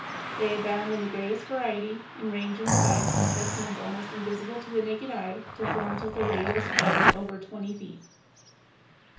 They abound in the greatest variety, and range in size from specimens almost invisible to the naked eye to forms with a radial spread of over twenty feet.